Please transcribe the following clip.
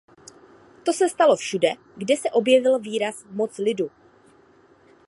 To se stalo všude, kde se objevil výraz moc lidu.